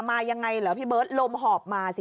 มายังไงเหรอพี่เบิร์ตลมหอบมาสิ